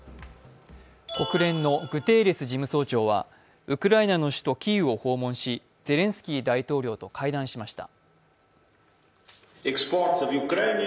国連のグテーレス事務総長はウクライナの首都キーウを訪問しゼレンスキー大統領と会談しました。